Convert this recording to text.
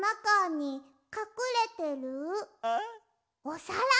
おさら？